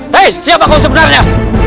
hei siapa kau sebenarnya